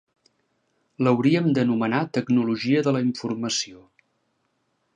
L'hauríem d'anomenar tecnologia de la informació.